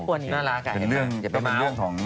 เป็นเรื่องของ